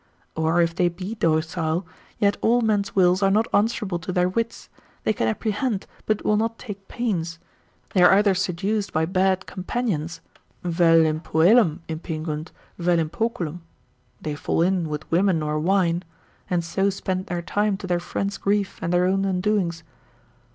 Or if they be docile, yet all men's wills are not answerable to their wits, they can apprehend, but will not take pains; they are either seduced by bad companions, vel in puellam impingunt, vel in poculum (they fall in with women or wine) and so spend their time to their friends' grief and their own undoings.